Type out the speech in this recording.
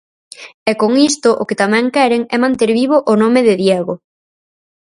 E con isto o que tamén queren é manter vivo o nome de Diego.